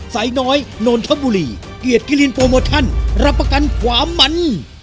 สายน้อยนนทบุรีเกียรติกิลินโปรโมชั่นรับประกันความมัน